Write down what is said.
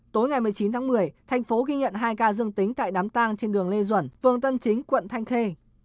tối ngày một mươi chín tháng một mươi thành phố ghi nhận hai ca dương tính tại đám tang trên đường lê duẩn phường tân chính quận thanh khê